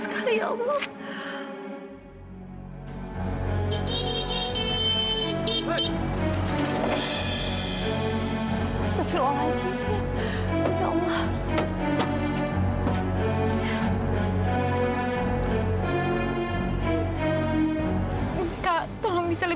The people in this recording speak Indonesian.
hati kamilah nggak tenang kak